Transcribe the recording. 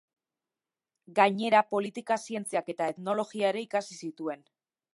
Gainera, politika zientziak eta etnologia ere ikasi zituen.